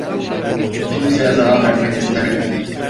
Kimseye zarar vermek istemedim.